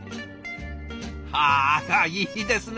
あいいですね。